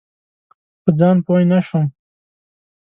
په ځان پوی نه شوم.